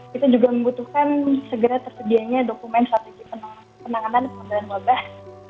kita juga membutuhkan segera tersedianya dokumen strategi penanganan pengendalian wabah